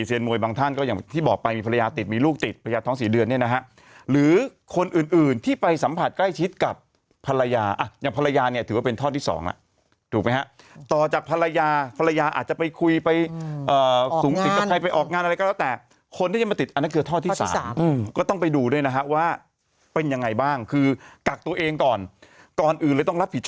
เซียนโมยบางท่านก็อย่างที่บอกไปมีภรรยาติดมีลูกติดภรรยาท้องสี่เดือนเนี่ยนะฮะหรือคนอื่นที่ไปสัมผัสใกล้ชิดกับภรรยาอย่างภรรยาเนี่ยถือว่าเป็นทอดที่๒ถูกไหมฮะต่อจากภรรยาภรรยาอาจจะไปคุยไปออกงานอะไรก็แล้วแต่คนที่จะมาติดอันนั้นคือทอดที่๓ก็ต้องไปดูด้วยนะฮะว่าเป็นยังไง